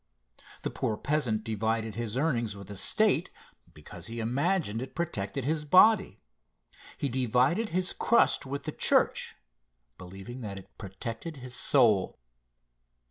The poor peasant divided his earnings with the state, because he imagined it protected his body; he divided his crust with the church, believing that it protected his soul.